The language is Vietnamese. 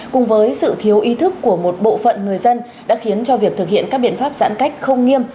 cùng với sự thiếu ý thức của một bộ phận người dân đã khiến cho việc thực hiện các biện pháp giãn cách không nghiêm